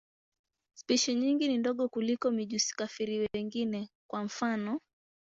Spishi nyingi ni ndogo kuliko mijusi-kafiri wengine, kwa mfano.